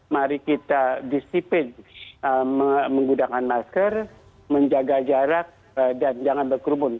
mari kita disiplin menggunakan masker menjaga jarak dan jangan berkerumun